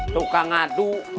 tuh kan ngaduk